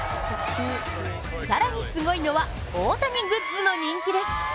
更にすごいのは、大谷グッズの人気です。